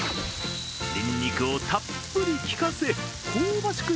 にんにくをたっぷりきかせ、香ばしく